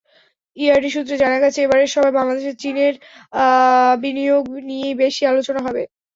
ERD সূত্রে জানা গেছে, এবারের সভায় বাংলাদেশে চীনের বিনিয়োগ নিয়েই বেশি আলোচনা হবে।